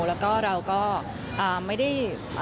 แล้วก็เราก็ไม่ได้